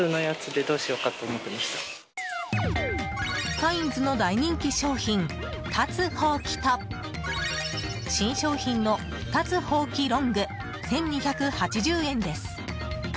カインズの大人気商品立つほうきと新商品の立つほうきロング１２８０円です。